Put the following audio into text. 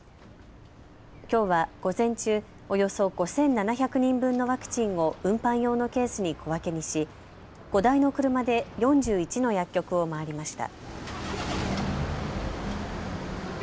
きょうは午前中、およそ５７００人分のワクチンを運搬用のケースに小分けにし５台の車で４１の薬局を回りました。